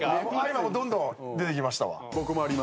今どんどん出てきました。